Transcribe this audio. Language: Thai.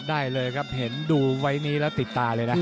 ได้เลยครับเห็นดูไว้นี้แล้วติดตาเลยนะ